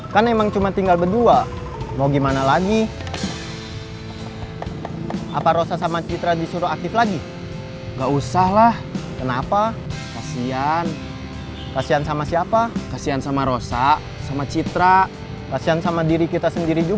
kalo udah gak sakit kita ketemu